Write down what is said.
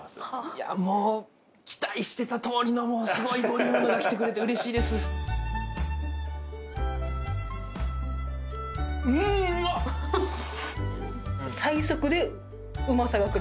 いやもう期待してたとおりのすごいボリュームが来てくれてうれしいですうんまっ！